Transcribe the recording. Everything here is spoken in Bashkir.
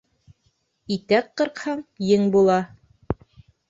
Итәк ҡырҡһаң ең була.